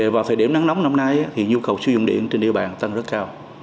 vào thời điểm nắng nóng năm nay nhu cầu sử dụng điện trên địa bàn tăng rất cao